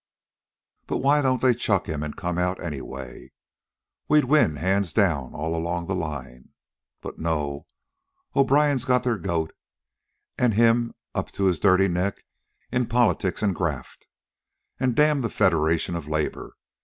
But why don't they chuck him and come out anyway? We'd win hands down all along the line. But no, O'Brien's got their goat, an' him up to his dirty neck in politics an' graft! An' damn the Federation of Labor!